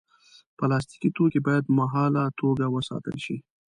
پلاستيکي توکي باید مهاله توګه وساتل شي.